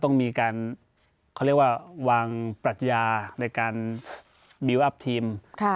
ต้องมีการเขาเรียกว่าวางปรัชญาในการบิวอัพทีม